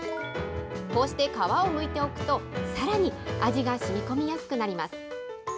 こうして皮をむいておくと、さらに味がしみこみやすくなります。